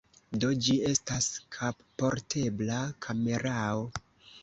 Do, ĝi estas kapportebla kamerao.